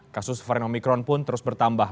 kasus varian omikron pun terus bertambah